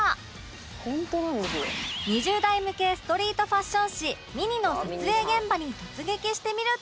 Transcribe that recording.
２０代向けストリートファッション誌『ｍｉｎｉ』の撮影現場に突撃してみると